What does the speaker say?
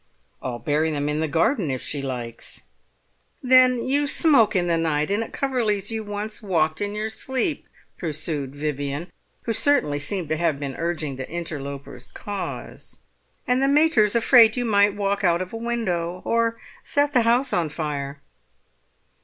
"I'll bury them in the garden if she likes." "Then you smoke in the night, and at Coverley's you once walked in your sleep," pursued Vivian, who certainly seemed to have been urging the interloper's cause. "And the mater's afraid you might walk out of a window or set the house on fire."